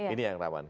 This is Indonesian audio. ini yang rawan